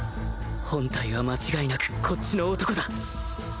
本体は間違いなくこっちの男だ